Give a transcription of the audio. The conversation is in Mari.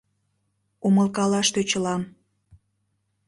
— Умылкалаш тӧчылам...